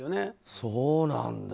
そうなんだ。